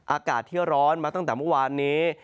อากาศที่ร้อนมาตั้งแต่เมื่อวานนี้